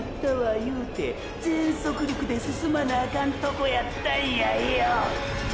言うて全速力で進まなあかんとこやったんやよ！！